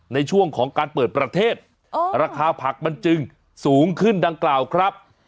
ในช่วงของการเปิดประเทศราคาผักมันจึงสูงขึ้นดังกล่าวครับ